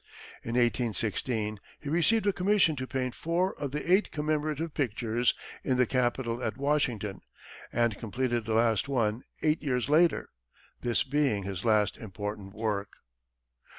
In 1816 he received a commission to paint four of the eight commemorative pictures in the Capitol at Washington, and completed the last one eight years later, this being his last important work.